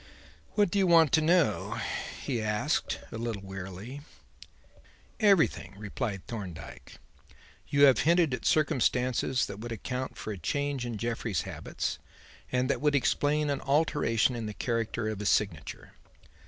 "What do you want to know?" he asked a little wearily. "Everything," replied Thorndyke. "You have hinted at circumstances that would account for a change in Jeffrey's habits and that would explain an alteration in the character of his signature.